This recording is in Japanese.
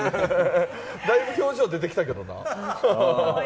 だいぶ表情出てきたけどな。